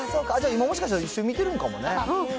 今、もしかしたら一緒に見てるかもね。